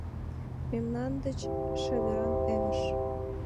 Мемнан деч шедыран эҥыж.